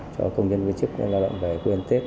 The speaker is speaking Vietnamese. cho công nhân viên chức lao động về quê hệ tết